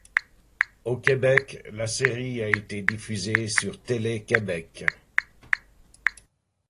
Au Québec, la série a été diffusée sur Télé-Québec.